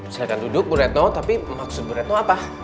silahkan duduk bu retno tapi maksud bu retno apa